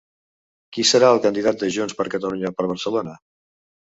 Qui serà el candidat de Junts per Catalunya per Barcelona?